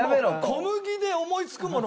小麦で思いつくもの